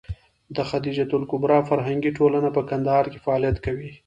د خدېجه الکبرا فرهنګي ټولنه په کندهار کې فعالیت کوي.